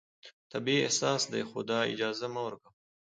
طبیعي احساس دی، خو دا اجازه مه ورکوه